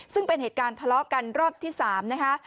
ซึ่งเป็นเหตุการณ์ทะเลาะกันรอบที่๓นะคะ